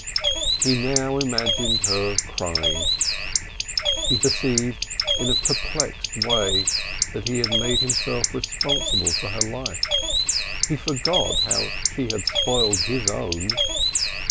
He now imagined her crying. He perceived in a perplexed way that he had made himself responsible for her life. He forgot how she had spoilt his own.